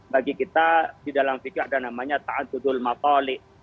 bagi kita di dalam fiqh ada namanya ta'atudul maqalik